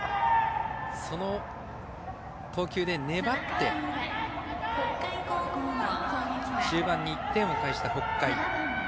その投球で粘って中盤に１点を返した北海。